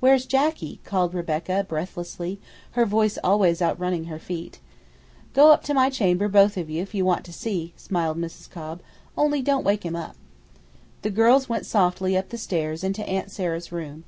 "Where's Jacky?" called Rebecca breathlessly, her voice always outrunning her feet. "Go up to my chamber, both of you, if you want to see," smiled Mrs. Cobb, "only don't wake him up." The girls went softly up the stairs into Aunt Sarah's room.